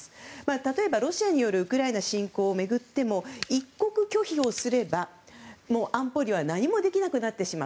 例えばロシアによるウクライナ侵攻を巡っても１国拒否をすれば、安保理は何もできなくなってしまう。